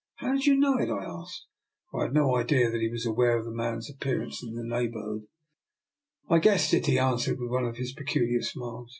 "*' How did you know it? " I asked: for I had no idea that he was aware of the man's appearance in the neighbourhood. " I guessed it," he answered, with one of his peculiar smiles.